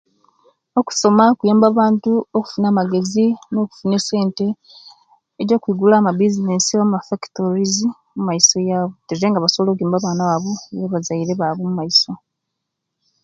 Okusoma kuyamba abantu okufuna amagezi nokufuna esente egyo kwigulawo amabizinesi oba anamafakitorizi omumaiso yawu tate nga basobola kuyamba abaana bawu na'bazaile bawu omumaiso